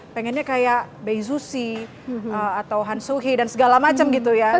pengennya kayak bai susi atau hansuhi dan segala macam gitu ya